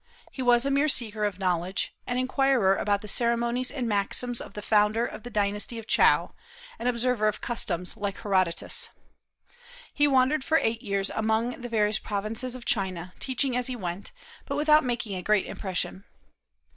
He was a mere seeker of knowledge, an inquirer about the ceremonies and maxims of the founder of the dynasty of Chow, an observer of customs, like Herodotus. He wandered for eight years among the various provinces of China, teaching as he went, but without making a great impression.